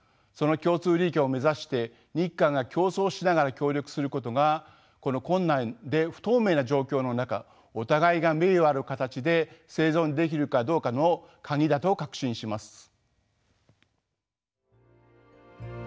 その共通利益を目指して日韓が競争しながら協力することがこの困難で不透明な状況の中お互いが名誉ある形で生存できるかどうかの鍵だと確信します。